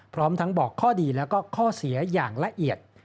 พร้อมทั้งบอกข้อดีแล้วก็ข้อเสียอย่างละเอียด